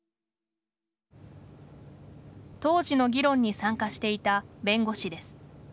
当時の議論に参加していた弁護士です。